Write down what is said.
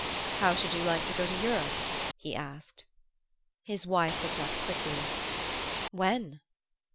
"How should you like to go to Europe?" he asked. His wife looked up quickly. "When?"